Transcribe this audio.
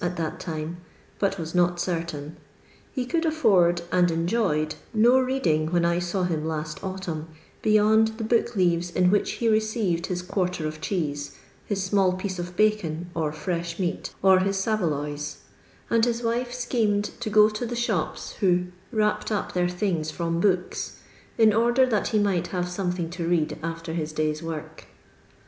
at that time, but was not certain), he could afford, and enjoyed, no rend ing wlien I saw him lust autumn, beyond the book leaves in which he received his quarter of cheese, his small piece of bacon or fresh meat, or his saveloys ; and his wife schemed to go to the shop^i who "wnipped up their things from books," in order that he might have something to read after his day's work.